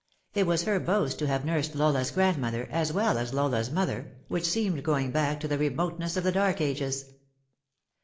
It was her boast to have nursed Lola's grandmother, as well as Lola's mother, which seemed going back to the remoteness of the dark ages.